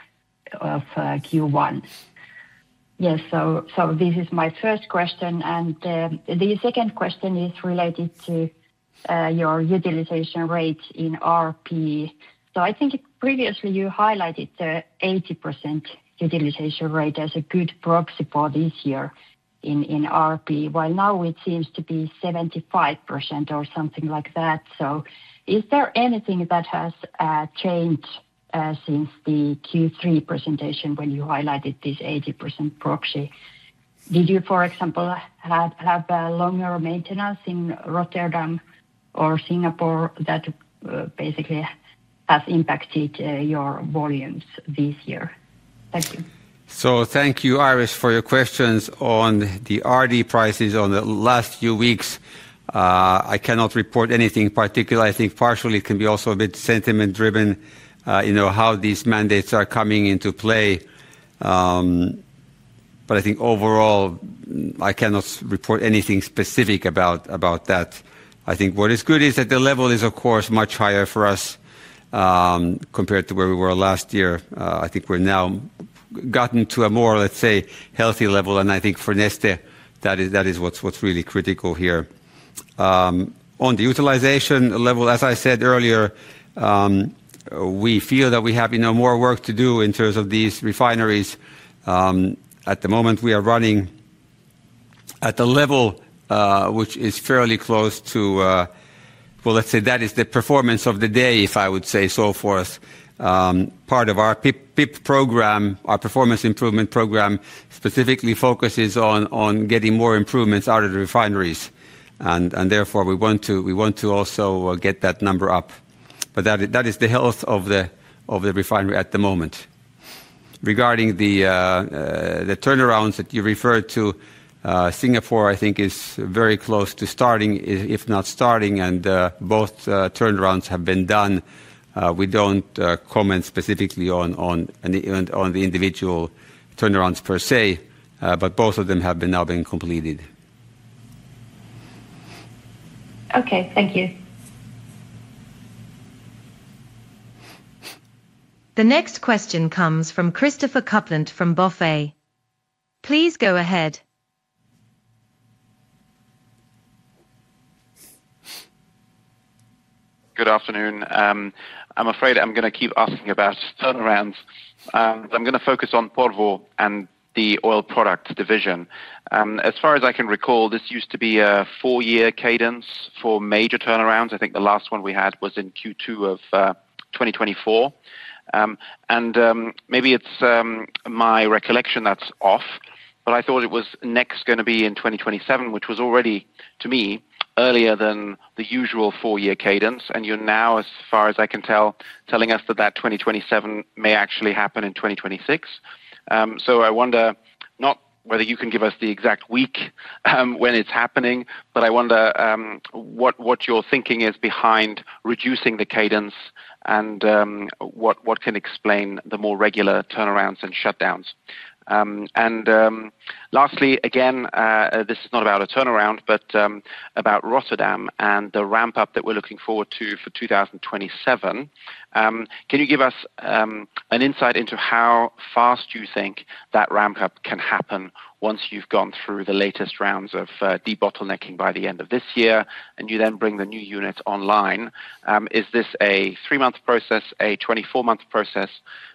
of Q1? Yes, so this is my first question. And the second question is related to your utilization rate in RP. So I think previously, you highlighted the 80% utilization rate as a good proxy for this year in RP, while now it seems to be 75% or something like that. So is there anything that has changed since the Q3 presentation when you highlighted this 80% proxy? Did you, for example, have longer maintenance in Rotterdam or Singapore that basically has impacted your volumes this year? Thank you. So thank you, Iris, for your questions on the RD prices on the last few weeks. I cannot report anything particular. I think partially, it can be also a bit sentiment-driven how these mandates are coming into play. But I think overall, I cannot report anything specific about that. I think what is good is that the level is, of course, much higher for us compared to where we were last year. I think we've now gotten to a more, let's say, healthy level. And I think for Neste, that is what's really critical here. On the utilization level, as I said earlier, we feel that we have more work to do in terms of these refineries. At the moment, we are running at a level which is fairly close to well, let's say that is the performance of the day, if I would say so forth. Part of our PIP program, our performance improvement program, specifically focuses on getting more improvements out of the refineries. And therefore, we want to also get that number up. But that is the health of the refinery at the moment. Regarding the turnarounds that you referred to, Singapore, I think, is very close to starting, if not starting. And both turnarounds have been done. We don't comment specifically on the individual turnarounds, per se. But both of them have now been completed. OK, thank you. The next question comes from Christopher Kuplent from BofA Securities. Please go ahead. Good afternoon. I'm afraid I'm going to keep asking about turnarounds. I'm going to focus on Porvoo and the oil products division. As far as I can recall, this used to be a four-year cadence for major turnarounds. I think the last one we had was in Q2 of 2024. Maybe it's my recollection that's off. I thought it was next going to be in 2027, which was already, to me, earlier than the usual four-year cadence. You're now, as far as I can tell, telling us that that 2027 may actually happen in 2026. I wonder not whether you can give us the exact week when it's happening. I wonder what your thinking is behind reducing the cadence and what can explain the more regular turnarounds and shutdowns. And lastly, again, this is not about a turnaround but about Rotterdam and the ramp-up that we're looking forward to for 2027. Can you give us an insight into how fast you think that ramp-up can happen once you've gone through the latest rounds of debottlenecking by the end of this year and you then bring the new units online? Is this a three-month process, a 24-month process,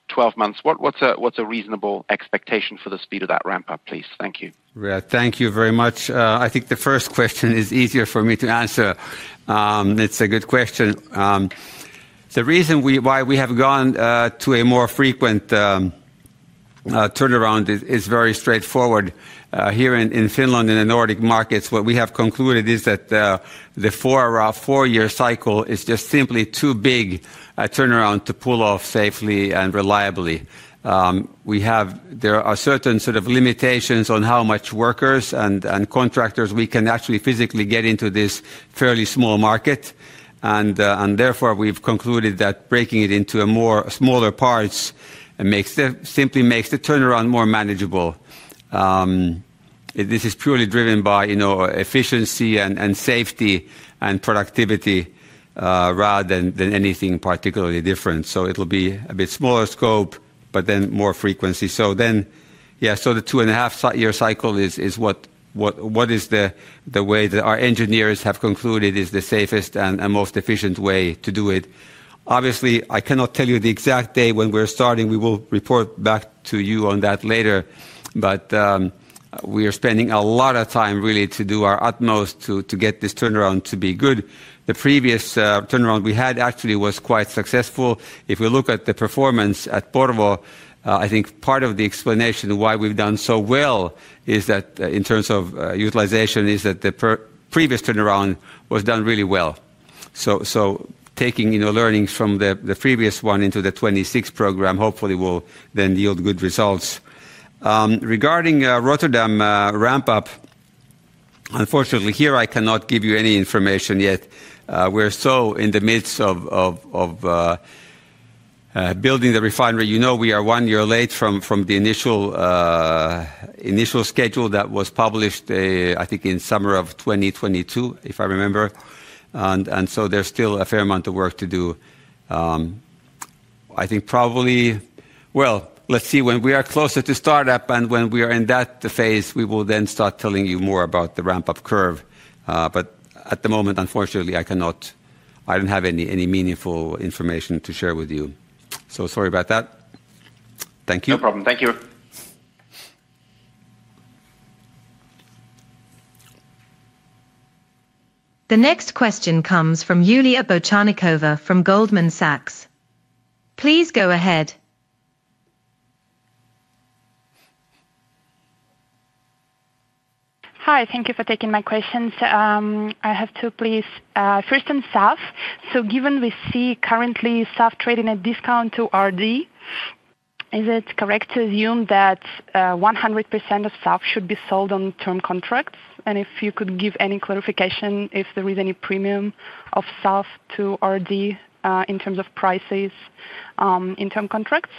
12 months? What's a reasonable expectation for the speed of that ramp-up, please? Thank you. Riyad, thank you very much. I think the first question is easier for me to answer. It's a good question. The reason why we have gone to a more frequent turnaround is very straightforward. Here in Finland, in the Nordic markets, what we have concluded is that the four-year cycle is just simply too big a turnaround to pull off safely and reliably. There are certain sort of limitations on how much workers and contractors we can actually physically get into this fairly small market. And therefore, we've concluded that breaking it into smaller parts simply makes the turnaround more manageable. This is purely driven by efficiency and safety and productivity rather than anything particularly different. So it will be a bit smaller scope but then more frequency. So then, yeah, so the 2.5-year cycle is what is the way that our engineers have concluded is the safest and most efficient way to do it. Obviously, I cannot tell you the exact day when we're starting. We will report back to you on that later. But we are spending a lot of time, really, to do our utmost to get this turnaround to be good. The previous turnaround we had actually was quite successful. If we look at the performance at Porvoo, I think part of the explanation why we've done so well is that in terms of utilization, is that the previous turnaround was done really well. So taking learnings from the previous one into the 2026 program hopefully will then yield good results. Regarding Rotterdam ramp-up, unfortunately, here, I cannot give you any information yet. We're so in the midst of building the refinery. You know we are one year late from the initial schedule that was published, I think, in the summer of 2022, if I remember. And so there's still a fair amount of work to do. I think probably well, let's see. When we are closer to startup and when we are in that phase, we will then start telling you more about the ramp-up curve. But at the moment, unfortunately, I don't have any meaningful information to share with you. So sorry about that. Thank you. No problem. Thank you. The next question comes from Yulia Bocharnikova from Goldman Sachs. Please go ahead. Hi. Thank you for taking my questions. I have two, please. First on SAF. So given we see currently SAF trading at discount to RD, is it correct to assume that 100% of SAF should be sold on term contracts? And if you could give any clarification if there is any premium of SAF to RD in terms of prices in term contracts.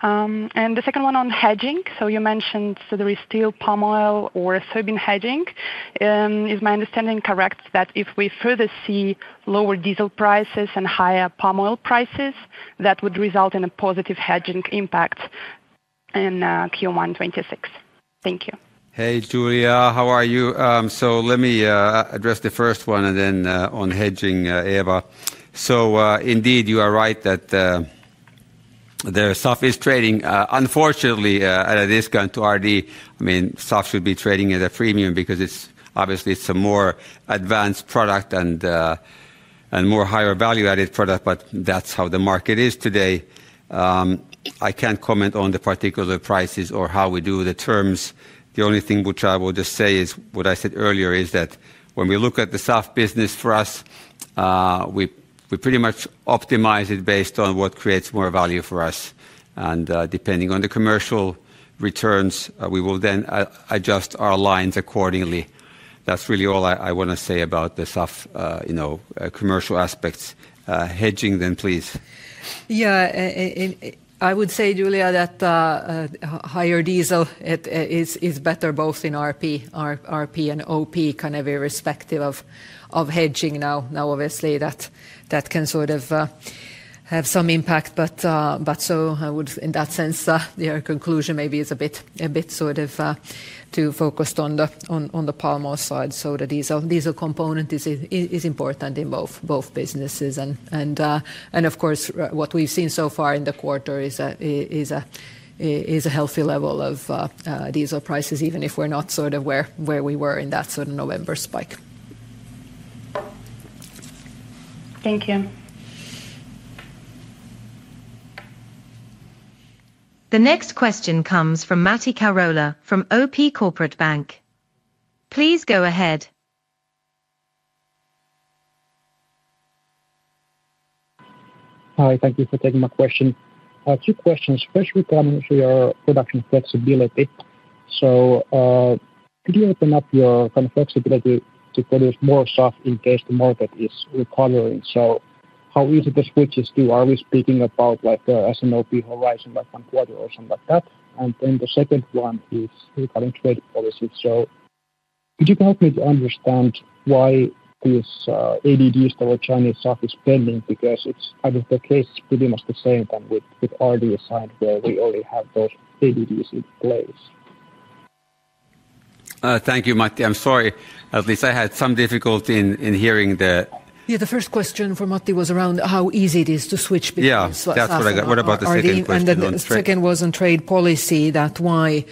And the second one on hedging. So you mentioned so there is still palm oil or soybean hedging. Is my understanding correct that if we further see lower diesel prices and higher palm oil prices, that would result in a positive hedging impact in Q1 2026? Thank you. Hey, Yulia. How are you? So let me address the first one. And then on hedging, Eeva. So indeed, you are right that SAF is trading, unfortunately, at a discount to RD. I mean, SAF should be trading at a premium because obviously, it's a more advanced product and more higher value-added product. But that's how the market is today. I can't comment on the particular prices or how we do the terms. The only thing which I will just say is what I said earlier is that when we look at the SAF business for us, we pretty much optimize it based on what creates more value for us. And depending on the commercial returns, we will then adjust our lines accordingly. That's really all I want to say about the SAF commercial aspects. Hedging then, please. Yeah. I would say, Julia, that higher diesel is better both in RP and OP, kind of irrespective of hedging. Now, obviously, that can sort of have some impact. But so in that sense, your conclusion maybe is a bit sort of too focused on the palm oil side. So the diesel component is important in both businesses. And of course, what we've seen so far in the quarter is a healthy level of diesel prices, even if we're not sort of where we were in that sort of November spike. Thank you. The next question comes from Matti Kaurola from OP Corporate Bank. Please go ahead. Hi. Thank you for taking my question. Two questions. First, regarding your production flexibility. So could you open up your kind of flexibility to produce more SAF in case the market is recovering? So how easy do the switches? Are we speaking about, as an order of magnitude, one quarter or something like that? And then the second one is regarding trade policy. So could you help me to understand why these ADDs that were on Chinese SAF are pending? Because on the face of it, it's pretty much the same as with RD as in, where we only have those ADDs in place. Thank you, Matti. I'm sorry. At least I had some difficulty in hearing the. Yeah. The first question from Matti was around how easy it is to switch. Yeah. That's what I got. What about the second question? And then the second was on trade policy, that's why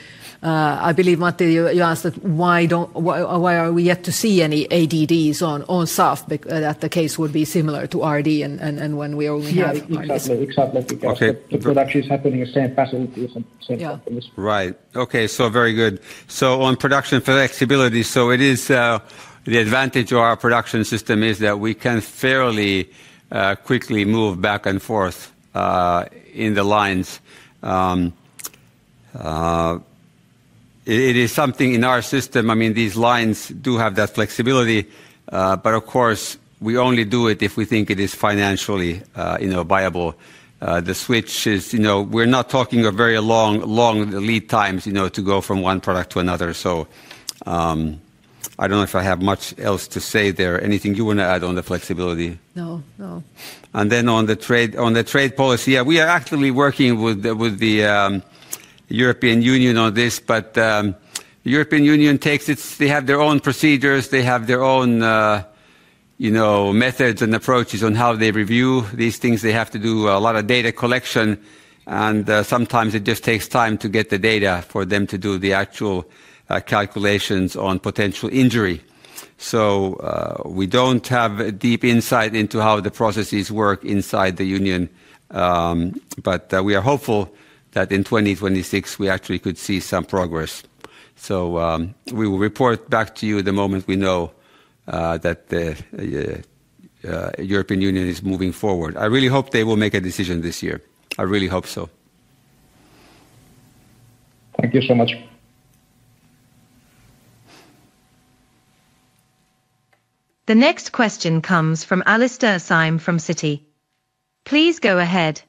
I believe, Matti, you asked that why are we yet to see any ADDs on SAF, that the case would be similar to RD and when we only have it. OK. The production is happening in the same facilities and same companies. Right. OK. So very good. So on production flexibility, so it is the advantage of our production system is that we can fairly quickly move back and forth in the lines. It is something in our system. I mean, these lines do have that flexibility. But of course, we only do it if we think it is financially viable. The switch is we're not talking of very long lead times to go from one product to another. So I don't know if I have much else to say there. Anything you want to add on the flexibility? No. No. And then on the trade policy, yeah, we are actively working with the European Union on this. But the European Union takes its. They have their own procedures. They have their own methods and approaches on how they review these things. They have to do a lot of data collection. Sometimes it just takes time to get the data for them to do the actual calculations on potential injury. We don't have deep insight into how the processes work inside the Union. We are hopeful that in 2026, we actually could see some progress. We will report back to you the moment we know that the European Union is moving forward. I really hope they will make a decision this year. I really hope so. Thank you so much. The next question comes from Alastair Syme from Citi. Please go ahead.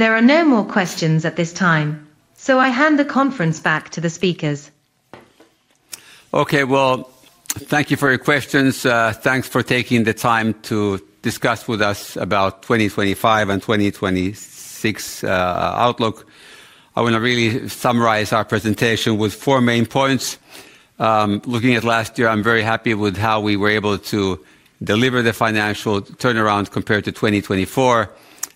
There are no more questions at this time. So I hand the conference back to the speakers. OK. Well, thank you for your questions. Thanks for taking the time to discuss with us about 2025 and 2026 outlook. I want to really summarize our presentation with four main points. Looking at last year, I'm very happy with how we were able to deliver the financial turnaround compared to 2024.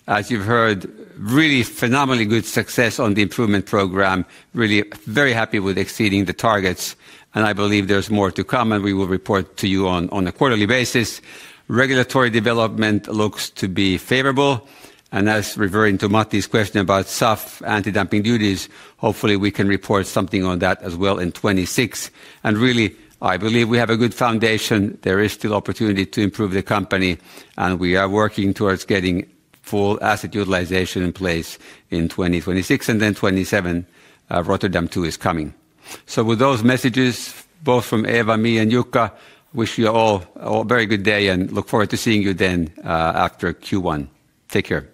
As you've heard, really phenomenally good success on the improvement program. Really very happy with exceeding the targets. And I believe there's more to come. And we will report to you on a quarterly basis. Regulatory development looks to be favorable. And as referring to Matti's question about SAF anti-dumping duties, hopefully, we can report something on that as well in 2026. And really, I believe we have a good foundation. There is still opportunity to improve the company. And we are working towards getting full asset utilization in place in 2026. And then 2027, Rotterdam Two is coming. So with those messages, both from Eeva, me, and Jukka, wish you all a very good day. And look forward to seeing you then after Q1. Take care.